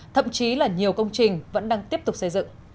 thậm chí là nhiều công trình vẫn đang tiếp tục xây dựng